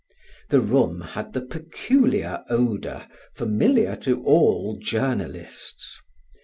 The room had the peculiar odor familiar to all journalists.